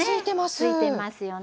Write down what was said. ねついてますよね。